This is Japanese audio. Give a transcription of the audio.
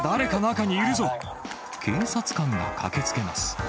警察官が駆けつけます。